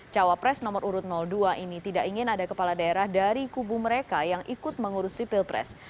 cawapres nomor urut dua ini tidak ingin ada kepala daerah dari kubu mereka yang ikut mengurusi pilpres